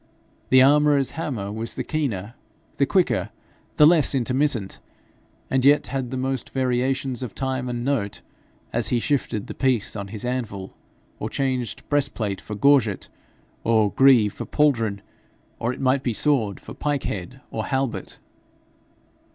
The armourer's hammer was the keener, the quicker, the less intermittent, and yet had the most variations of time and note, as he shifted the piece on his anvil, or changed breastplate for gorget, or greave for pauldron or it might be sword for pike head or halbert.